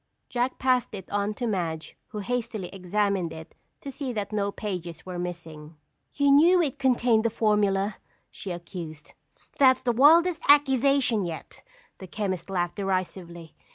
Jack passed it on to Madge who hastily examined it to see that no pages were missing. "You knew it contained the formula," she accused. "That's the wildest accusation yet!" the chemist laughed derisively.